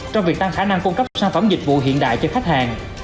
trong việc tăng khả năng cung cấp sản phẩm dịch vụ hiện đại cho khách hàng